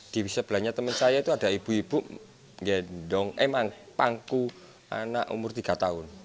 di sebelahnya teman saya itu ada ibu ibu gendong emang pangku anak umur tiga tahun